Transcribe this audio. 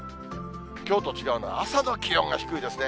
きょうと違うのは、朝の気温が低いですね。